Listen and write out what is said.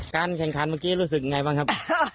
การแข่งขันเมื่อกี้รู้สึกไงบ้างครับ